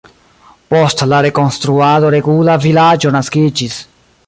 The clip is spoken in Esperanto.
Post la rekonstruado regula vilaĝo naskiĝis.